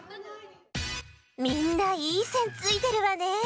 みんないいせんついてるわね。